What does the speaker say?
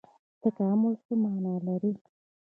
تکامل څه مانا لري؟